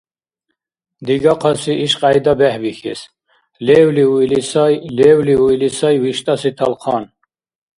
Дигахъаси ишкьяйда бехӀбихьес: «Левли уили сай, левли уили сай виштӀаси талхъан»